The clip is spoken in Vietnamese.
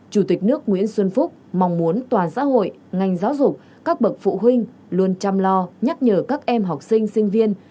chủ tịch nước nguyễn xuân phúc mong muốn toàn xã hội ngành giáo dục các bậc phụ huynh luôn chăm lo nhắc nhở các em học sinh sinh viên